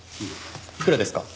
いくらですか？